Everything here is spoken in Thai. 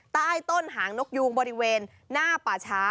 ใต้ต้นหางนกยูงบริเวณหน้าป่าช้า